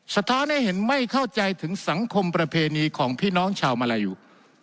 สะท้อนให้เห็นไม่เข้าใจถึงสังคมประเพณีของพี่น้องชาวมาลายู